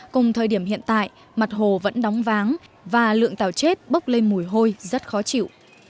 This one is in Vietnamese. cùng thời điểm hiện tại mặt hồ vẫn đóng váng và lượng tàu chết bốc lên mùi hôi rất khó chịu